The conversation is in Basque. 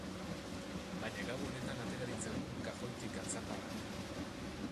Baina gau honetan atera ditzagun kajoitik atzaparrak.